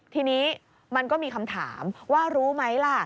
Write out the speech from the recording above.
ทีนี้มันก็มีคำถามว่ารู้ไหมล่ะ